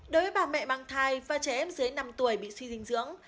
đối với bà mẹ mang thai và trẻ em dưới năm tuổi bị suy dinh dưỡng